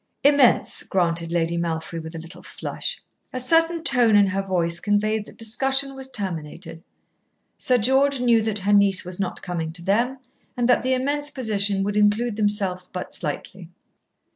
"Immense," granted Lady Malfry, with a little flush. A certain tone in her voice conveyed that discussion was terminated. Sir George knew that her niece was not coming to them and that the immense position would include themselves but slightly.